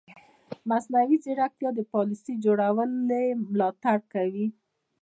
مصنوعي ځیرکتیا د پالیسي جوړونې ملاتړ کوي.